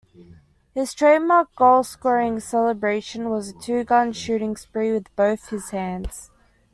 His trademark goal-scoring celebration was a two-gun shooting spree with both his hands.